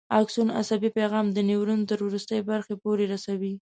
اکسون عصبي پیغام د نیورون تر وروستۍ برخې پورې رسوي.